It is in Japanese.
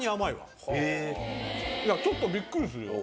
ちょっとびっくりするよ。